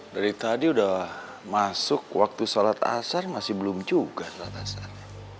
dari tadi udah masuk waktu salat asar masih belum juga salat asar